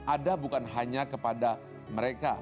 ada bukan hanya kepada mereka